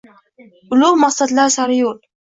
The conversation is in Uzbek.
Ulug‘ maqsadlar sari yo‘l